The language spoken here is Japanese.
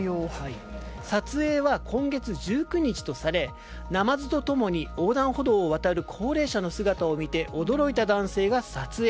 撮影は、今月１９日とされナマズと共に横断歩道を渡る高齢者の姿を見て驚いた男性が撮影。